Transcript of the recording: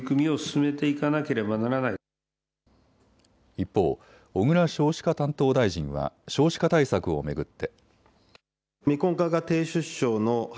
一方、小倉少子化担当大臣は少子化対策を巡って。